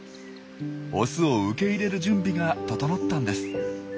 オスを受け入れる準備が整ったんです。